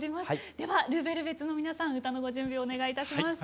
ではＬＥＶＥＬＶＥＴＳの皆さん歌のご準備をお願いいたします。